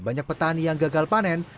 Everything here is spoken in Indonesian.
banyak petani yang gagal panen